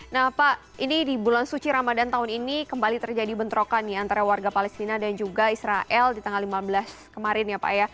nah pak ini di bulan suci ramadan tahun ini kembali terjadi bentrokan antara warga palestina dan juga israel di tanggal lima belas kemarin ya pak ya